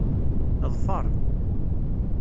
Ḍfer.